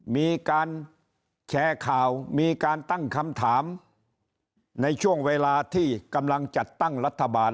มีการแชร์ข่าวมีการตั้งคำถามในช่วงเวลาที่กำลังจัดตั้งรัฐบาล